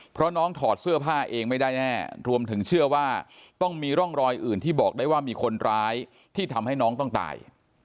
เพราะน้องถอดเสื้อผ้าเองไม่ได้แน่รวมถึงเชื่อว่าต้องมีร่องรอยอื่นที่บอกได้ว่ามีคนร้ายที่ทำให้น้องต้องตาย